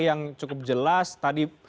yang cukup jelas tadi